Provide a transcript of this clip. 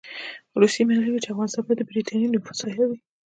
روسيې منلې وه چې افغانستان به د برټانیې د نفوذ ساحه وي.